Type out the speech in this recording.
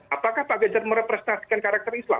apakah pak ganjar merepresentasikan karakter islam